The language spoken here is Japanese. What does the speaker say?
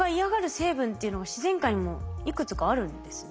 成分っていうのが自然界にもいくつかあるんですね。